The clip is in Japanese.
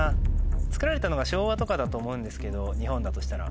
作られたのが昭和とかだと思うんですけど日本だとしたら。